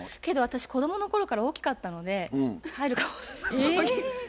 けど私子どもの頃から大きかったので入るかも。